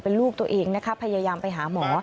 เป็นลูกตัวเองนะคะพยายามไปหาหมอ